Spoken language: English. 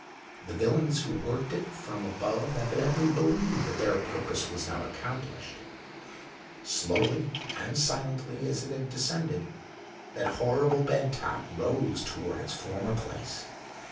The villains who worked it from above evidently believed that their purpose was now accomplished. Slowly and silently, as it had descended, that horrible bed top rose towards its former place.